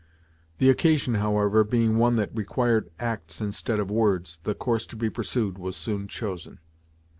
The occasion, however, being one that required acts instead of words, the course to be pursued was soon chosen.